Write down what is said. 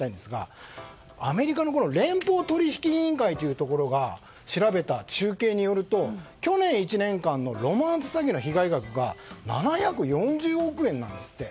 アメリカの連邦取引委員会というところが調べた集計によると去年１年間のロマンス詐欺の被害額が７４０億円なんですって。